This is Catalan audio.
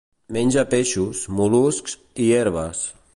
Menja peixos, mol·luscs i herbes.